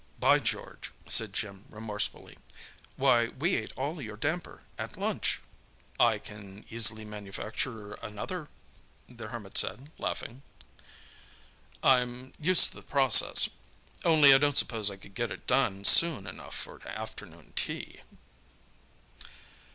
"By George!" said Jim remorsefully. "Why, we ate all your damper at lunch!" "I can easily manufacture another," the Hermit said, laughing. "I'm used to the process. Only I don't suppose I could get it done soon enough for afternoon tea."